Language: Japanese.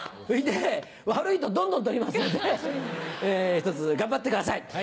それで悪いとどんどん取りますのでひとつ頑張ってください。